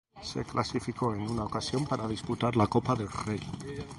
Se clasificó en una ocasión para disputar la Copa del Rey.